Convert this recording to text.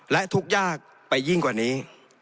และทุกข์ยากไปยิ่งกว่านี้